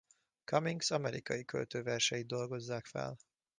Cummings amerikai költő verseit dolgozzák fel.